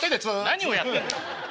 何をやってんだ！